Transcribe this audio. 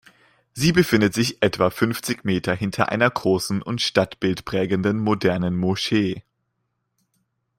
Sie befindet sich etwa fünfzig Meter hinter einer großen und stadtbildprägenden modernen Moschee.